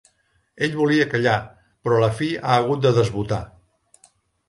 Ell volia callar, però a la fi ha hagut de desbotar.